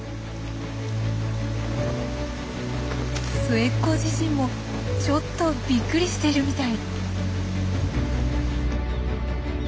末っ子自身もちょっとびっくりしているみたい。